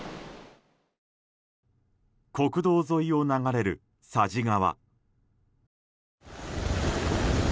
国道沿いを流れる佐治川。